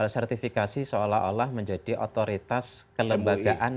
sertifikasi seolah olah menjadi otoritas kelembagaan